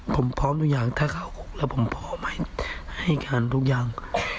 ผมพร้อมทุกอย่างถ้าเข้าคุกแล้วผมพร้อมให้การทุกอย่าง